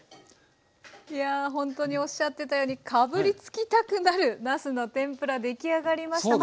いやほんとにおっしゃってたようにかぶりつきたくなるなすの天ぷら出来上がりました。